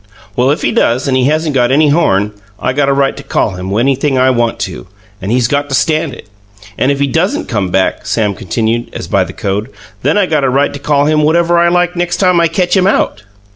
"Well, if he does and he hasn't got any horn, I got a right to call him anything I want to, and he's got to stand it. And if he doesn't come back," Sam continued, as by the code, "then I got a right to call him whatever I like next time I ketch him out."